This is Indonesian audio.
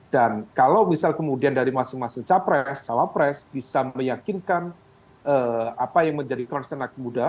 dan kalau misal kemudian dari masing masing capres sawapres bisa meyakinkan apa yang menjadi konsen anak muda